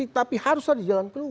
tapi harusnya dijalan keluar